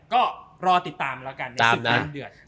ก็รอติดตามแล้วกันใน๑๐วันเดือด